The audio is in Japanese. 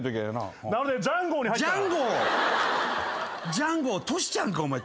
ジャンゴートシちゃんかお前。